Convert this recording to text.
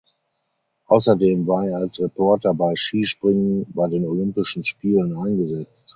Außerdem war er als Reporter bei Skispringen bei den Olympischen Spielen eingesetzt.